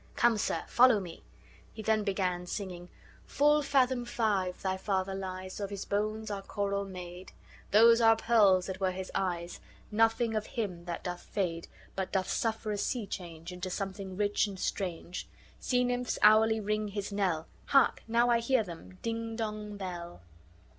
Come. sir,, follow me." He then began singing: "Full fathom five thy father lies; Of his bones are coral made; Those are pearls that were his eyes: Nothing of him that doth fade, But doth suffer a sea change Into something rich and strange. Sea nymphs hourly ring his knell: Hark! now I hear them Ding dong, bell."